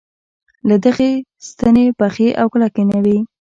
که دغه ستنې پخې او کلکې نه وي.